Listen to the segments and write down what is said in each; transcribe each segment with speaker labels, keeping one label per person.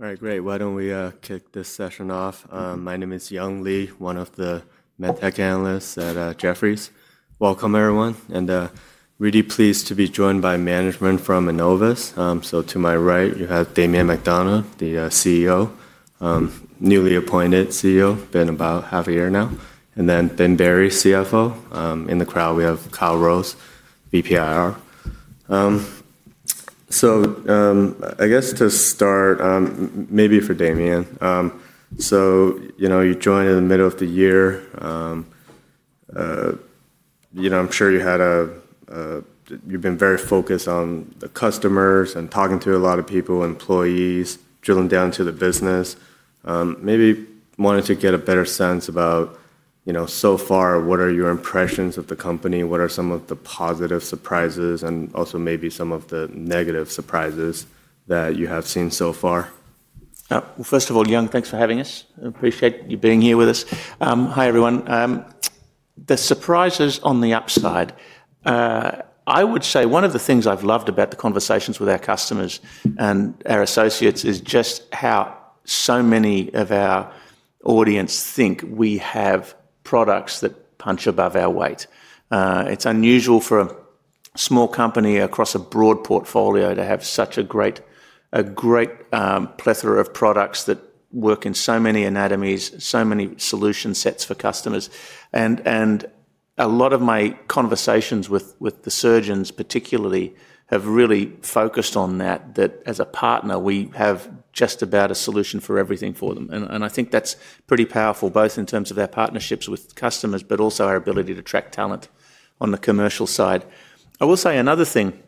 Speaker 1: All right, great. Why don't we kick this session off? My name is Young Lee, one of the medtech analysts at Jefferies. Welcome, everyone. Really pleased to be joined by management from Enovis. To my right, you have Damien McDonald, the CEO, newly appointed CEO, been about half a year now. Then Ben Berry, CFO. In the crowd, we have Kyle Rose, VP IR. I guess to start, maybe for Damien, you joined in the middle of the year. I'm sure you had a—you've been very focused on the customers and talking to a lot of people, employees, drilling down to the business. Maybe wanted to get a better sense about, so far, what are your impressions of the company? What are some of the positive surprises and also maybe some of the negative surprises that you have seen so far?
Speaker 2: First of all, Young, thanks for having us. Appreciate you being here with us. Hi, everyone. The surprise is on the upside. I would say one of the things I've loved about the conversations with our customers and our associates is just how so many of our audience think we have products that punch above our weight. It's unusual for a small company across a broad portfolio to have such a great plethora of products that work in so many anatomies, so many solution sets for customers. A lot of my conversations with the surgeons, particularly, have really focused on that, that as a partner, we have just about a solution for everything for them. I think that's pretty powerful, both in terms of our partnerships with customers, but also our ability to attract talent on the commercial side. I will say another thing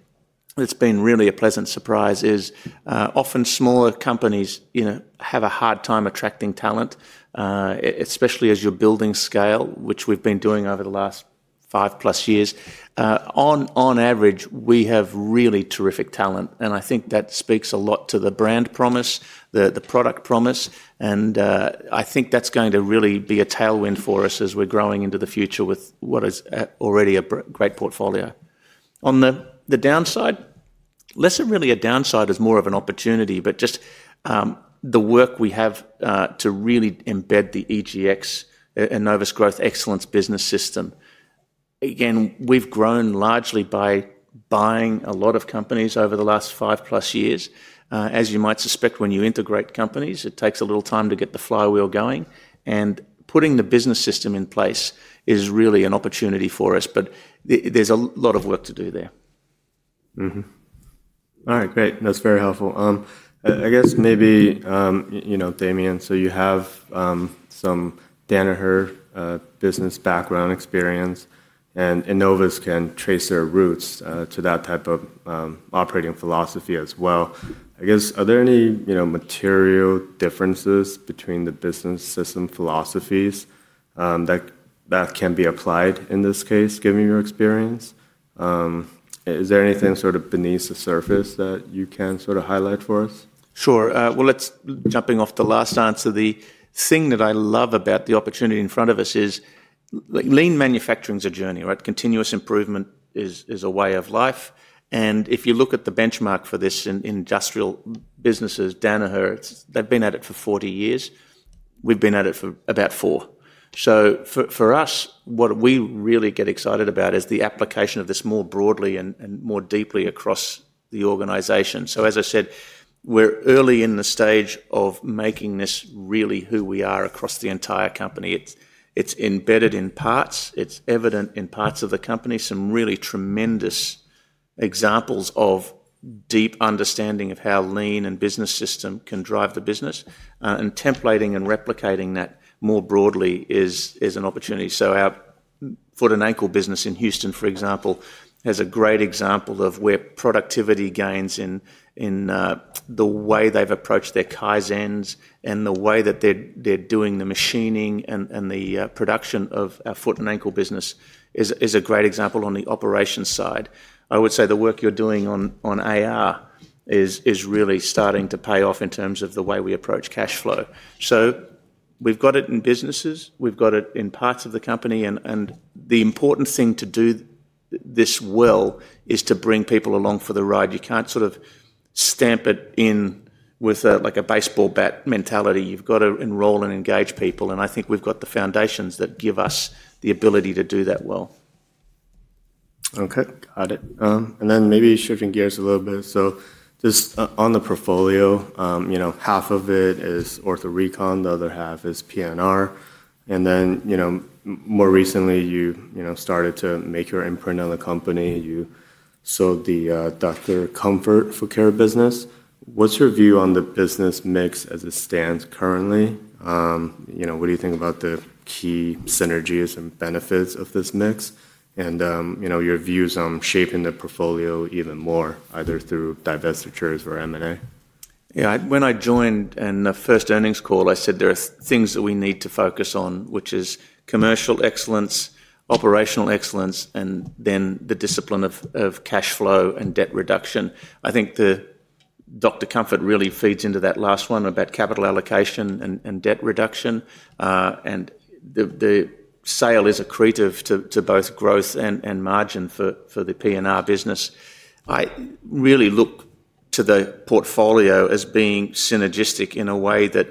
Speaker 2: that's been really a pleasant surprise is often smaller companies have a hard time attracting talent, especially as you're building scale, which we've been doing over the last five plus years. On average, we have really terrific talent. I think that speaks a lot to the brand promise, the product promise. I think that's going to really be a tailwind for us as we're growing into the future with what is already a great portfolio. On the downside, less of really a downside is more of an opportunity, but just the work we have to really embed the Enovis Growth Excellence business system. Again, we've grown largely by buying a lot of companies over the last five plus years. As you might suspect, when you integrate companies, it takes a little time to get the flywheel going. Putting the business system in place is really an opportunity for us. There is a lot of work to do there.
Speaker 1: All right, great. That's very helpful. I guess maybe, Damien, you have some Danaher business background experience. And Enovis can trace their roots to that type of operating philosophy as well. I guess, are there any material differences between the business system philosophies that can be applied in this case, given your experience? Is there anything sort of beneath the surface that you can sort of highlight for us?
Speaker 2: Sure. Jumping off the last answer, the thing that I love about the opportunity in front of us is lean manufacturing is a journey, right? Continuous improvement is a way of life. If you look at the benchmark for this in industrial businesses, Danaher, they've been at it for 40 years. We've been at it for about four. For us, what we really get excited about is the application of this more broadly and more deeply across the organization. As I said, we're early in the stage of making this really who we are across the entire company. It's embedded in parts. It's evident in parts of the company, some really tremendous examples of deep understanding of how lean and business system can drive the business. Templating and replicating that more broadly is an opportunity. Our foot and ankle business in Houston, for example, has a great example of where productivity gains in the way they've approached their Kaizens and the way that they're doing the machining and the production of our foot and ankle business is a great example on the operations side. I would say the work you're doing on AR is really starting to pay off in terms of the way we approach cash flow. We've got it in businesses. We've got it in parts of the company. The important thing to do this well is to bring people along for the ride. You can't sort of stamp it in with a baseball bat mentality. You've got to enroll and engage people. I think we've got the foundations that give us the ability to do that well.
Speaker 1: Okay. Got it. Maybe shifting gears a little bit. Just on the portfolio, half of it is OrthoRecon, the other half is PNR. More recently, you started to make your imprint on the company. You sold the Dr. Comfort foot care business. What's your view on the business mix as it stands currently? What do you think about the key synergies and benefits of this mix? Your views on shaping the portfolio even more, either through divestitures or M&A?
Speaker 2: Yeah. When I joined in the first earnings call, I said there are things that we need to focus on, which is commercial excellence, operational excellence, and then the discipline of cash flow and debt reduction. I think the Dr. Comfort really feeds into that last one about capital allocation and debt reduction. The sale is accretive to both growth and margin for the PNR business. I really look to the portfolio as being synergistic in a way that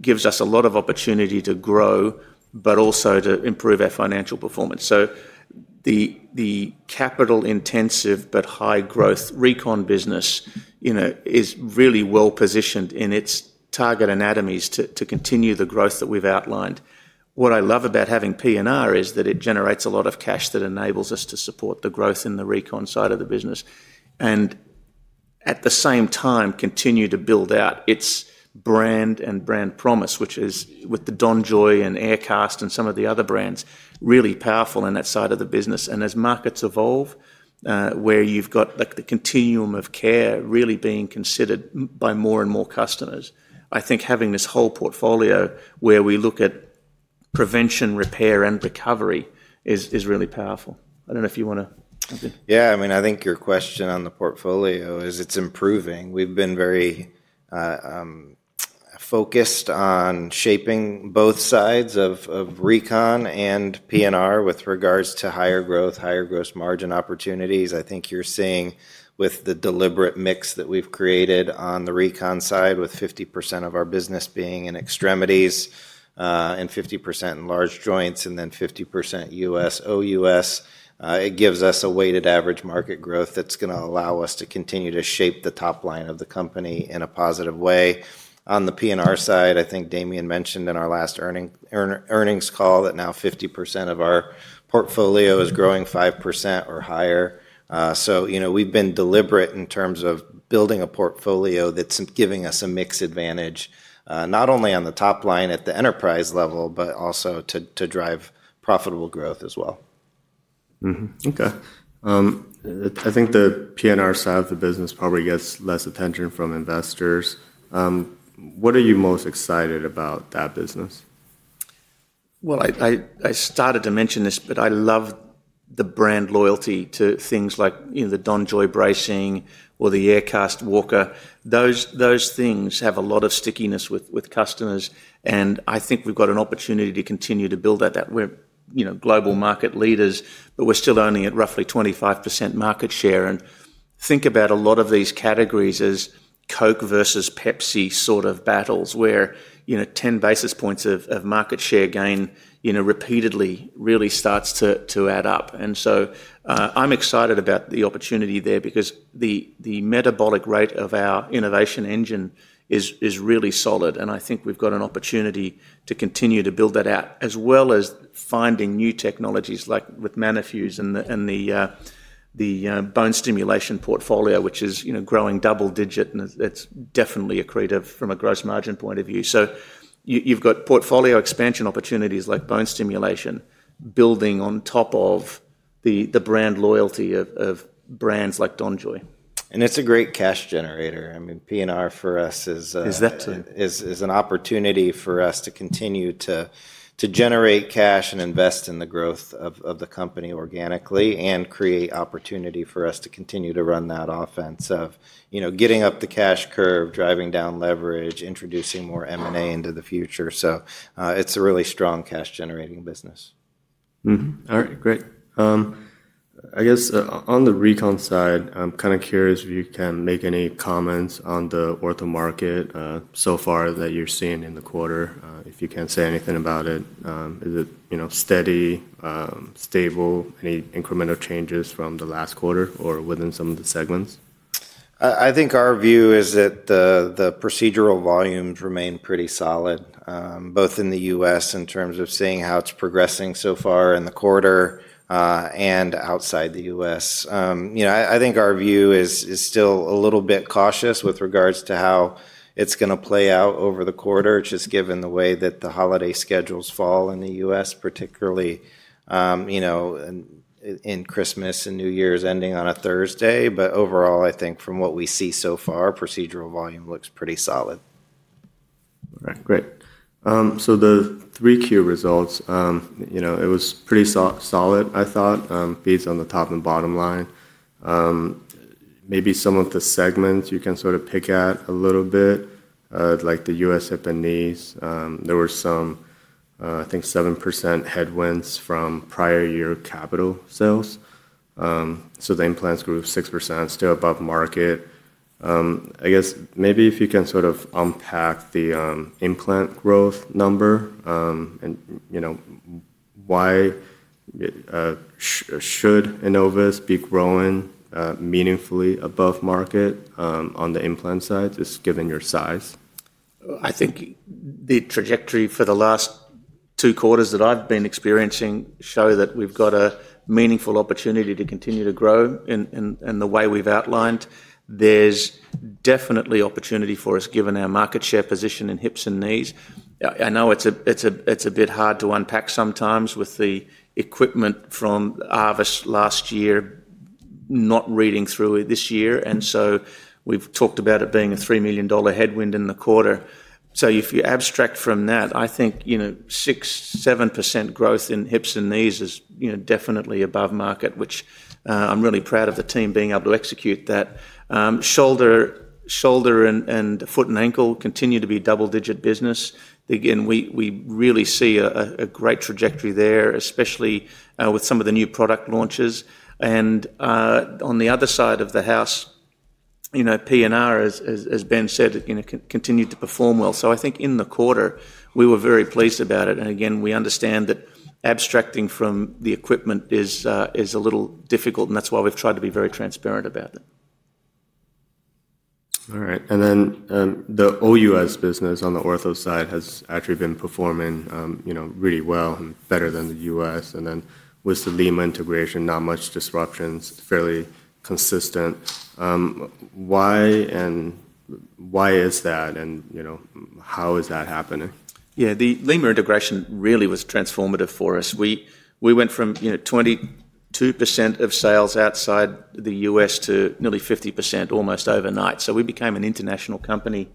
Speaker 2: gives us a lot of opportunity to grow, but also to improve our financial performance. The capital-intensive, but high-growth recon business is really well positioned in its target anatomies to continue the growth that we've outlined. What I love about having PNR is that it generates a lot of cash that enables us to support the growth in the recon side of the business and at the same time continue to build out its brand and brand promise, which is with the DonJoy and Aircast and some of the other brands really powerful in that side of the business. As markets evolve, where you've got the continuum of care really being considered by more and more customers, I think having this whole portfolio where we look at prevention, repair, and recovery is really powerful. I don't know if you want to.
Speaker 3: Yeah. I mean, I think your question on the portfolio is it's improving. We've been very focused on shaping both sides of recon and PNR with regards to higher growth, higher gross margin opportunities. I think you're seeing with the deliberate mix that we've created on the recon side with 50% of our business being in extremities and 50% in large joints and then 50% U.S., OUS, it gives us a weighted average market growth that's going to allow us to continue to shape the top line of the company in a positive way. On the PNR side, I think Damien mentioned in our last earnings call that now 50% of our portfolio is growing 5% or higher. We've been deliberate in terms of building a portfolio that's giving us a mixed advantage, not only on the top line at the enterprise level, but also to drive profitable growth as well.
Speaker 1: Okay. I think the PNR side of the business probably gets less attention from investors. What are you most excited about that business?
Speaker 2: I started to mention this, but I love the brand loyalty to things like the DonJoy bracing or the Aircast walker. Those things have a lot of stickiness with customers. I think we've got an opportunity to continue to build that. We're global market leaders, but we're still only at roughly 25% market share. Think about a lot of these categories as Coke versus Pepsi sort of battles where 10 basis points of market share gain repeatedly really starts to add up. I am excited about the opportunity there because the metabolic rate of our innovation engine is really solid. I think we've got an opportunity to continue to build that out as well as finding new technologies like with Manifuse and the bone stimulation portfolio, which is growing double digit. It is definitely accretive from a gross margin point of view. You've got portfolio expansion opportunities like bone stimulation building on top of the brand loyalty of brands like DonJoy.
Speaker 3: It's a great cash generator. I mean, PNR for us is
Speaker 2: is that to?
Speaker 3: Is an opportunity for us to continue to generate cash and invest in the growth of the company organically and create opportunity for us to continue to run that offense of getting up the cash curve, driving down leverage, introducing more M&A into the future. It is a really strong cash-generating business.
Speaker 1: All right, great. I guess on the recon side, I'm kind of curious if you can make any comments on the Ortho market so far that you're seeing in the quarter. If you can't say anything about it, is it steady, stable, any incremental changes from the last quarter or within some of the segments?
Speaker 3: I think our view is that the procedural volumes remain pretty solid, both in the U.S. in terms of seeing how it's progressing so far in the quarter and outside the U.S. I think our view is still a little bit cautious with regards to how it is going to play out over the quarter, just given the way that the holiday schedules fall in the U.S., particularly in Christmas and New Year's ending on a Thursday. Overall, I think from what we see so far, procedural volume looks pretty solid.
Speaker 1: All right, great. The three key results, it was pretty solid, I thought, feeds on the top and bottom line. Maybe some of the segments you can sort of pick at a little bit, like the U.S. hip and knees, there were some, I think, 7% headwinds from prior year capital sales. The implants grew 6%, still above market. I guess maybe if you can sort of unpack the implant growth number and why should Enovis be growing meaningfully above market on the implant side, just given your size?
Speaker 2: I think the trajectory for the last two quarters that I've been experiencing show that we've got a meaningful opportunity to continue to grow in the way we've outlined. There's definitely opportunity for us given our market share position in hips and knees. I know it's a bit hard to unpack sometimes with the equipment from Arvis last year not reading through it this year. We’ve talked about it being a $3 million headwind in the quarter. If you abstract from that, I think 6%-7% growth in hips and knees is definitely above market, which I'm really proud of the team being able to execute that. Shoulder and foot and ankle continue to be double-digit business. Again, we really see a great trajectory there, especially with some of the new product launches. On the other side of the house, PNR, as Ben said, continued to perform well. I think in the quarter, we were very pleased about it. Again, we understand that abstracting from the equipment is a little difficult. That is why we have tried to be very transparent about it.
Speaker 1: All right. The OUS business on the Ortho side has actually been performing really well and better than the U.S. With the LEMA integration, not much disruptions, fairly consistent. Why and why is that? How is that happening?
Speaker 2: Yeah, the LEMA integration really was transformative for us. We went from 22% of sales outside the U.S. to nearly 50% almost overnight. We became an international company.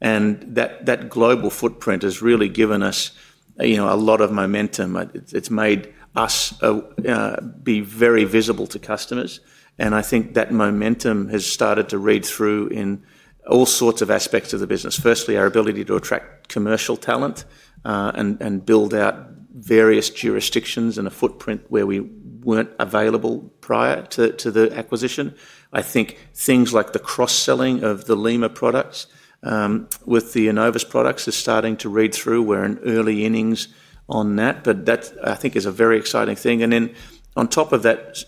Speaker 2: That global footprint has really given us a lot of momentum. It has made us be very visible to customers. I think that momentum has started to read through in all sorts of aspects of the business. Firstly, our ability to attract commercial talent and build out various jurisdictions and a footprint where we were not available prior to the acquisition. I think things like the cross-selling of the LEMA products with the Enovis products is starting to read through. We are in early innings on that. That, I think, is a very exciting thing. In addition to that,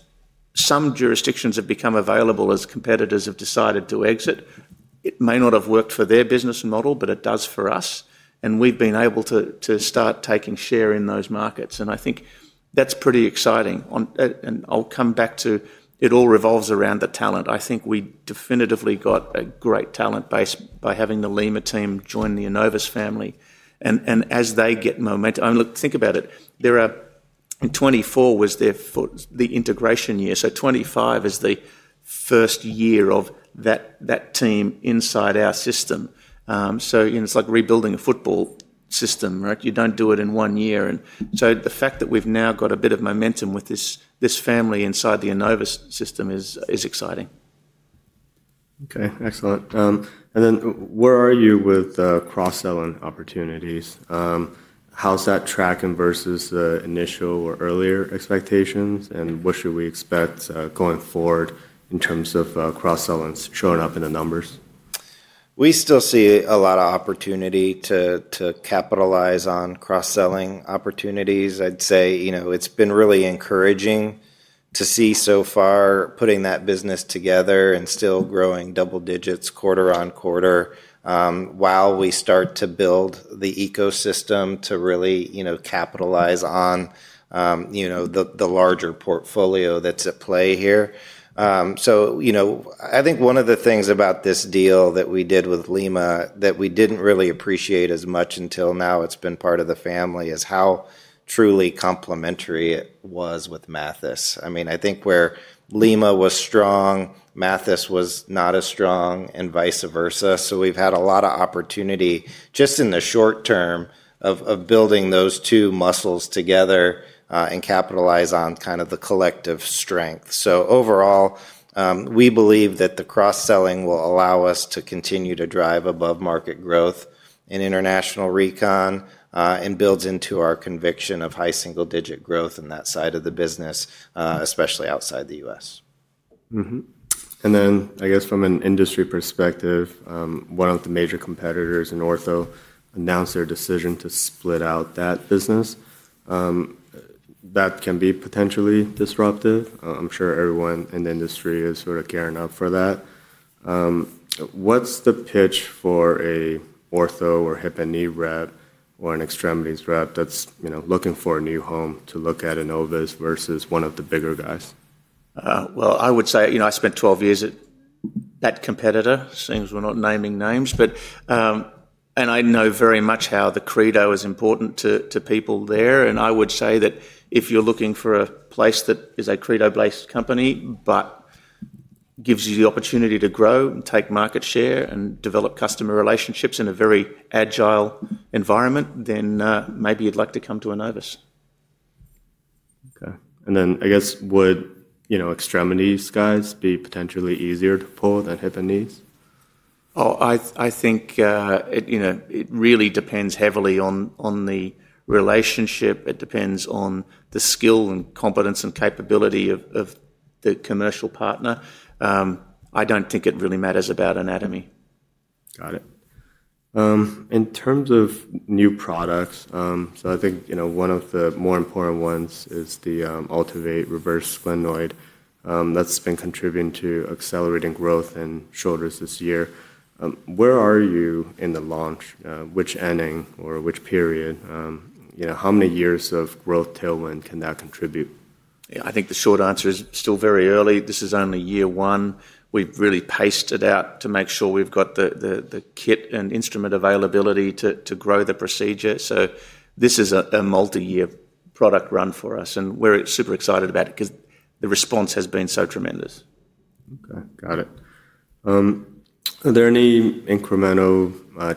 Speaker 2: some jurisdictions have become available as competitors have decided to exit. It may not have worked for their business model, but it does for us. We've been able to start taking share in those markets. I think that's pretty exciting. I'll come back to it all revolves around the talent. I think we definitively got a great talent base by having the LimaCorporate team join the Enovis family. As they get momentum, I mean, look, think about it. In 2024 was the integration year. 2025 is the first year of that team inside our system. It's like rebuilding a football system, right? You don't do it in one year. The fact that we've now got a bit of momentum with this family inside the Enovis system is exciting.
Speaker 1: Okay. Excellent. Where are you with cross-selling opportunities? How's that tracking versus the initial or earlier expectations? What should we expect going forward in terms of cross-selling showing up in the numbers?
Speaker 3: We still see a lot of opportunity to capitalize on cross-selling opportunities. I'd say it's been really encouraging to see so far putting that business together and still growing double digits quarter on quarter while we start to build the ecosystem to really capitalize on the larger portfolio that's at play here. I think one of the things about this deal that we did with LEMA that we didn't really appreciate as much until now, it's been part of the family, is how truly complementary it was with Mathis. I mean, I think where LEMA was strong, Mathis was not as strong and vice versa. We've had a lot of opportunity just in the short term of building those two muscles together and capitalize on kind of the collective strength. Overall, we believe that the cross-selling will allow us to continue to drive above market growth in international recon and builds into our conviction of high single-digit growth in that side of the business, especially outside the U.S.
Speaker 1: I guess from an industry perspective, one of the major competitors in Ortho announced their decision to split out that business. That can be potentially disruptive. I'm sure everyone in the industry is sort of gearing up for that. What's the pitch for an Ortho or hip and knee rep or an extremities rep that's looking for a new home to look at Enovis versus one of the bigger guys?
Speaker 2: I would say I spent 12 years at that competitor. Seems we're not naming names. I know very much how the credo is important to people there. I would say that if you're looking for a place that is a credo-based company but gives you the opportunity to grow and take market share and develop customer relationships in a very agile environment, then maybe you'd like to come to Enovis.
Speaker 1: Okay. And then I guess would extremities guys be potentially easier to pull than hip and knees?
Speaker 2: Oh, I think it really depends heavily on the relationship. It depends on the skill and competence and capability of the commercial partner. I don't think it really matters about anatomy.
Speaker 1: Got it. In terms of new products, so I think one of the more important ones is the Ultamate Reverse Shoulder that's been contributing to accelerating growth in shoulders this year. Where are you in the launch? Which inning or which period? How many years of growth tailwind can that contribute?
Speaker 2: I think the short answer is still very early. This is only year one. We've really paced it out to make sure we've got the kit and instrument availability to grow the procedure. This is a multi-year product run for us. We are super excited about it because the response has been so tremendous.
Speaker 1: Okay. Got it. Are there any incremental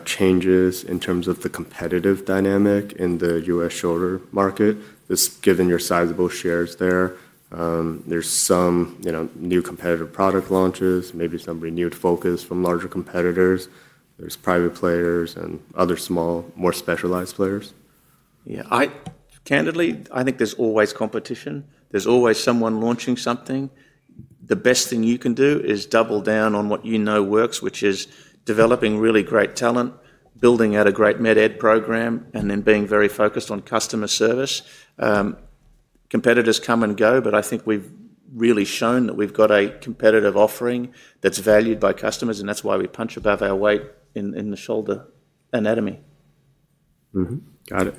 Speaker 1: changes in terms of the competitive dynamic in the U.S. shoulder market? Just given your sizable shares there, there's some new competitive product launches, maybe some renewed focus from larger competitors. There's private players and other small, more specialized players.
Speaker 2: Yeah. Candidly, I think there's always competition. There's always someone launching something. The best thing you can do is double down on what you know works, which is developing really great talent, building out a great med ed program, and then being very focused on customer service. Competitors come and go, but I think we've really shown that we've got a competitive offering that's valued by customers. That's why we punch above our weight in the shoulder anatomy.
Speaker 1: Got it.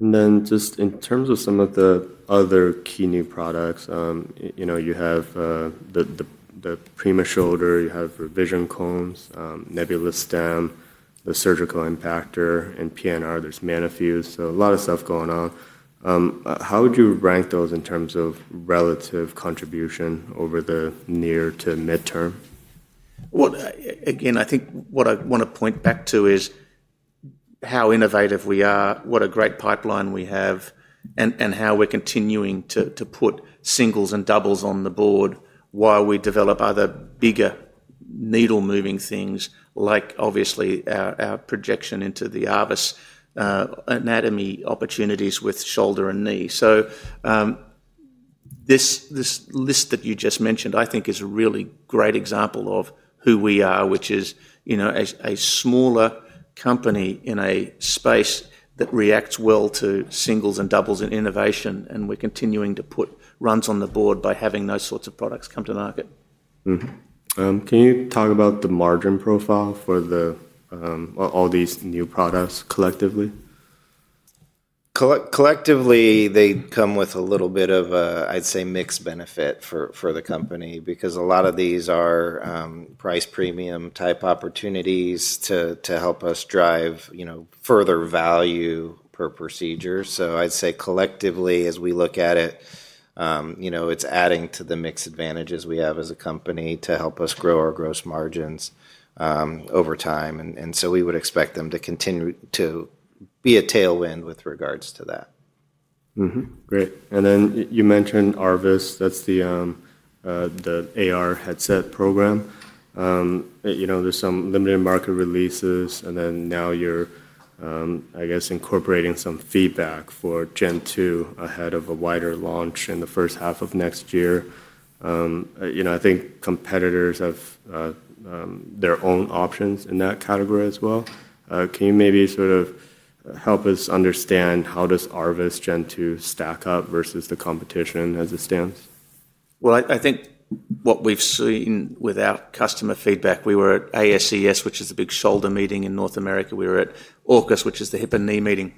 Speaker 1: And then just in terms of some of the other key new products, you have the Prima Shoulder, you have Revision Cones, Nebula Stem, the Surgical Impactor, and PNR. There's Manifuse. So a lot of stuff going on. How would you rank those in terms of relative contribution over the near to midterm?
Speaker 2: I think what I want to point back to is how innovative we are, what a great pipeline we have, and how we're continuing to put singles and doubles on the board while we develop other bigger needle-moving things, like obviously our projection into the Arvis anatomy opportunities with shoulder and knee. This list that you just mentioned, I think, is a really great example of who we are, which is a smaller company in a space that reacts well to singles and doubles and innovation. We're continuing to put runs on the board by having those sorts of products come to market.
Speaker 1: Can you talk about the margin profile for all these new products collectively?
Speaker 3: Collectively, they come with a little bit of a, I'd say, mixed benefit for the company because a lot of these are price premium type opportunities to help us drive further value per procedure. I'd say collectively, as we look at it, it's adding to the mixed advantages we have as a company to help us grow our gross margins over time. We would expect them to continue to be a tailwind with regards to that.
Speaker 1: Great. You mentioned Arvis. That is the AR headset program. There are some limited market releases. Now you are, I guess, incorporating some feedback for Gen 2 ahead of a wider launch in the first half of next year. I think competitors have their own options in that category as well. Can you maybe sort of help us understand how does Arvis Gen 2 stack up versus the competition as it stands?
Speaker 2: I think what we've seen with our customer feedback, we were at ASES, which is the big shoulder meeting in North America. We were at Orcus, which is the hip and knee meeting.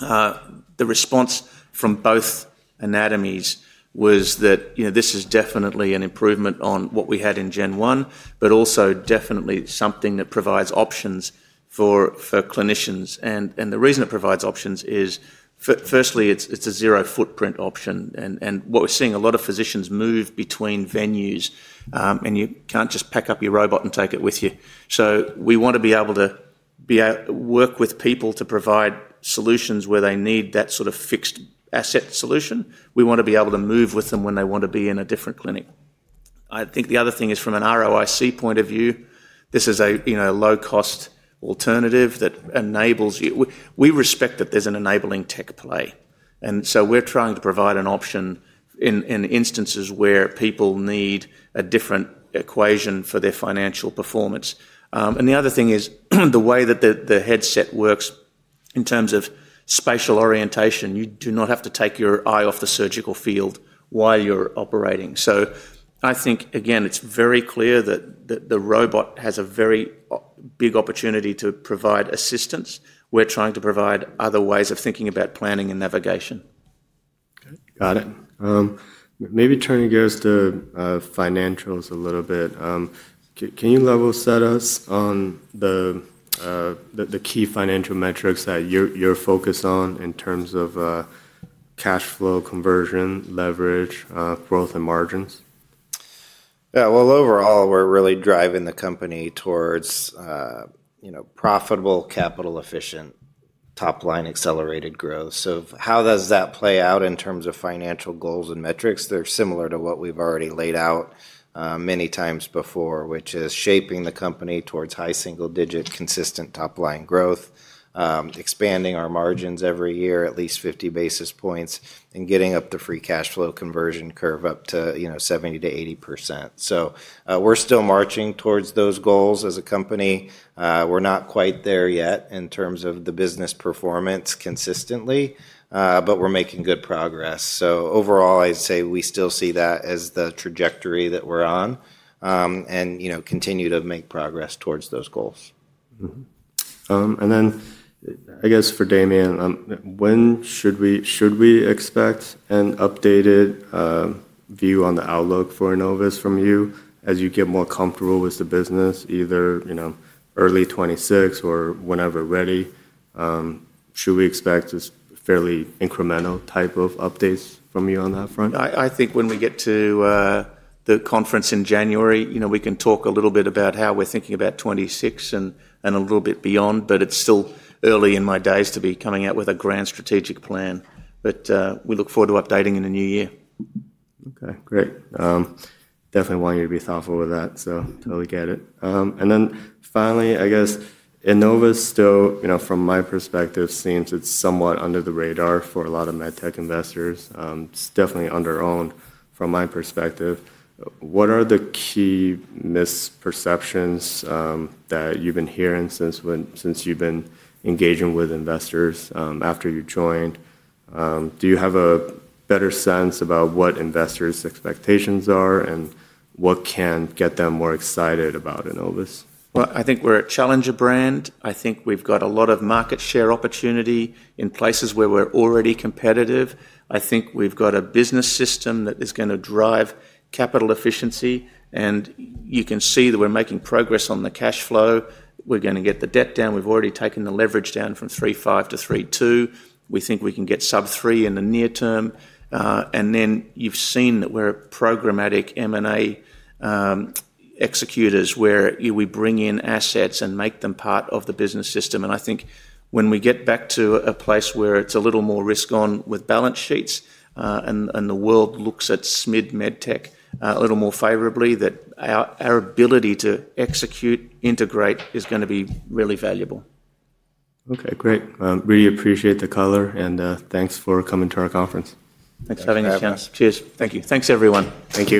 Speaker 2: The response from both anatomies was that this is definitely an improvement on what we had in Gen 1, but also definitely something that provides options for clinicians. The reason it provides options is, firstly, it's a zero-footprint option. What we're seeing, a lot of physicians move between venues, and you can't just pack up your robot and take it with you. We want to be able to work with people to provide solutions where they need that sort of fixed asset solution. We want to be able to move with them when they want to be in a different clinic. I think the other thing is from an ROIC point of view, this is a low-cost alternative that enables you. We respect that there's an enabling tech play. We are trying to provide an option in instances where people need a different equation for their financial performance. The other thing is the way that the headset works in terms of spatial orientation. You do not have to take your eye off the surgical field while you're operating. I think, again, it's very clear that the robot has a very big opportunity to provide assistance. We are trying to provide other ways of thinking about planning and navigation.
Speaker 1: Got it. Maybe turning gears to financials a little bit. Can you level set us on the key financial metrics that you're focused on in terms of cash flow, conversion, leverage, growth, and margins?
Speaker 3: Yeah. Overall, we're really driving the company towards profitable, capital-efficient, top-line accelerated growth. How does that play out in terms of financial goals and metrics? They're similar to what we've already laid out many times before, which is shaping the company towards high single-digit consistent top-line growth, expanding our margins every year, at least 50 basis points, and getting up the free cash flow conversion curve up to 70%-80%. We're still marching towards those goals as a company. We're not quite there yet in terms of the business performance consistently, but we're making good progress. Overall, I'd say we still see that as the trajectory that we're on and continue to make progress towards those goals.
Speaker 1: I guess for Damien, when should we expect an updated view on the outlook for Enovis from you as you get more comfortable with the business, either early 2026 or whenever ready? Should we expect a fairly incremental type of updates from you on that front?
Speaker 2: I think when we get to the conference in January, we can talk a little bit about how we're thinking about 2026 and a little bit beyond, but it's still early in my days to be coming out with a grand strategic plan. We look forward to updating in a new year.
Speaker 1: Okay. Great. Definitely want you to be thoughtful with that. Totally get it. Finally, I guess Enovis still, from my perspective, seems it's somewhat under the radar for a lot of med tech investors. It's definitely underwhelmed from my perspective. What are the key misperceptions that you've been hearing since you've been engaging with investors after you joined? Do you have a better sense about what investors' expectations are and what can get them more excited about Enovis?
Speaker 2: I think we're a challenger brand. I think we've got a lot of market share opportunity in places where we're already competitive. I think we've got a business system that is going to drive capital efficiency. You can see that we're making progress on the cash flow. We're going to get the debt down. We've already taken the leverage down from 3.5-3.2. We think we can get sub-3 in the near term. You've seen that we're programmatic M&A executors where we bring in assets and make them part of the business system. I think when we get back to a place where it's a little more risk-on with balance sheets and the world looks at SMID med tech a little more favorably, our ability to execute, integrate is going to be really valuable.
Speaker 1: Okay. Great. Really appreciate the color. Thanks for coming to our conference.
Speaker 3: Thanks for having us, [John]. Cheers.
Speaker 2: Thank you.
Speaker 3: Thanks, everyone.
Speaker 1: Thank you.